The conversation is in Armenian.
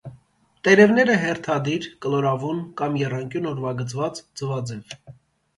Տերևները հերթադիր, կլորավուն կամ եռանկյուն ուրվագծված, ձվաձև։